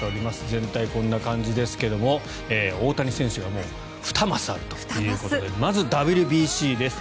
全体、こんな感じですが大谷選手がもう、２マスあるということでまずＷＢＣです。